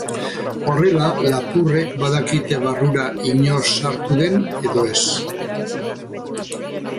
Horrela, lapurrek badakite barrura inor sartu den edo ez.